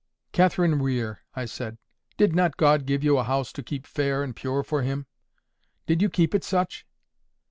"Catherine Weir," I said, "did not God give you a house to keep fair and pure for Him? Did you keep it such?"